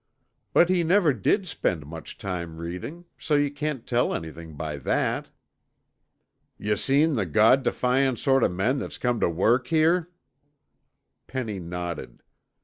"But he never did spend much time reading, so you can't tell anything by that." "Yuh seen the God defyin' sort o' men that's come tuh work here?" Penny nodded.